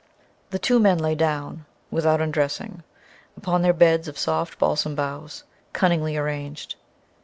The two men lay down, without undressing, upon their beds of soft balsam boughs, cunningly arranged.